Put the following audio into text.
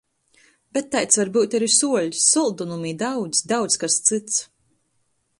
Bet taids var byut ari suoļs, soldonumi i daudz daudz kas cyts.